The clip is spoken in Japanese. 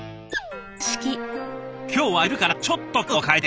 今日は昼からちょっと気分を変えて。